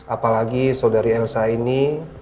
apalagi saudari elsa ini